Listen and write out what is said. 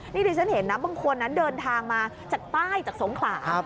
นี่ดิฉันเห็นนะบางคนนั้นเดินทางมาจากใต้จากสงขลา